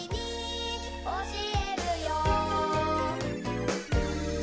「おしえるよ」